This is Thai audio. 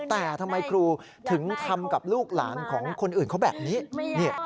แต่ทำไมครูถึงทำกับลูกหลานของคนอื่นเขาแบบนี้